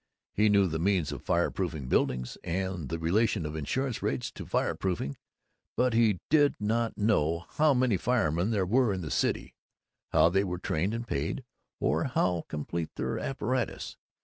He knew the means of fireproofing buildings and the relation of insurance rates to fireproofing, but he did not know how many firemen there were in the city, how they were trained and paid, or how complete their apparatus.